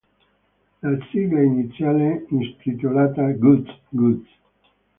La sigla iniziale, intitolata "Guts Guts!!